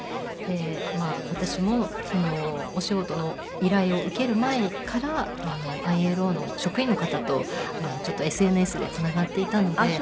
で私もお仕事の依頼を受ける前からＩＬＯの職員の方とＳＮＳでつながっていたので。